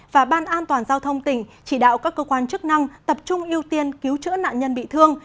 và ban an toàn giao thông tỉnh chỉ đạo các cơ quan chức năng tập trung ưu tiên cứu chữa nạn nhân bị thương